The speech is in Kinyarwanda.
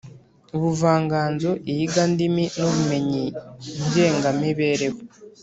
ubuvanganzo, iyigandimi n’ubumenyi ngengamibereho